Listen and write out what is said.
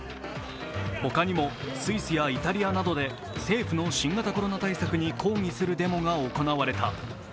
他にもスイスやイタリアなどで政府の新型コロナ対策に抗議するデモが行われた。